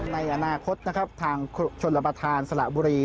ในอนาคตนะครับทางชนรับประทานสละบุรี